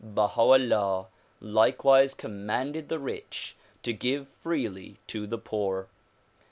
Baha 'Ullah likewise commanded the rich to give freely to the poor.